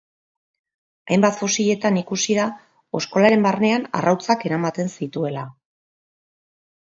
Hainbat fosiletan ikusi da oskolaren barnean arrautzak eramaten zituela.